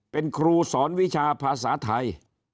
เป็นครูสอนวิชาภาษาไทย